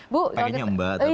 paginya mbak tapi